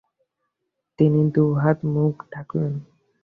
তিনি দু’হাতে মুখ ঢাকলেন।